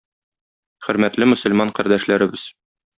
Хөрмәтле мөселман кардәшләребез!